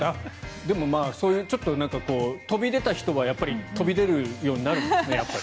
でも、そうやって飛び出た人はやっぱり飛び出るようになるんですかね。